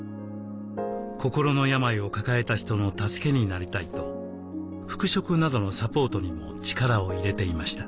心の病を抱えた人の助けになりたいと復職などのサポートにも力を入れていました。